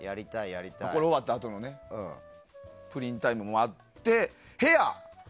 これ終わったあとのプリンタイムもあって、部屋。